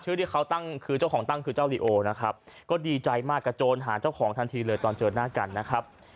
ที่เขาตั้งคือเจ้าของตั้งคือเจ้าลีโอนะครับก็ดีใจมากกระโจนหาเจ้าของทันทีเลยตอนเจอหน้ากันนะครับ